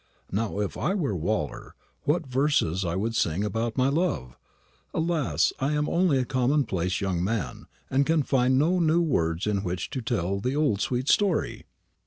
Now, if I were Waller, what verses I would sing about my love! Alas, I am only a commonplace young man, and can find no new words in which to tell the old sweet story!"